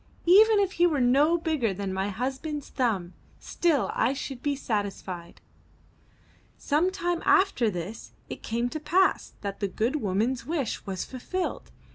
Even if he were no bigger than my husband's thumb, still I should be satisfied.'' Some time after this it came to pass that the good woman's wish was fulfilled.